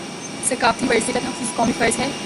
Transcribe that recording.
ثقافتی ورثے کا تحفظ قومی فرض ہے